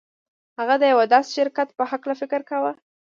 هغه د یوه داسې شرکت په هکله فکر کاوه